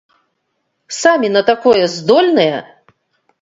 Самі на такое здольныя?